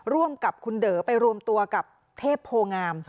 ร่วมกับคุณเด๋อไปรวมตัวกับเทพโพงาม